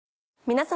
皆様。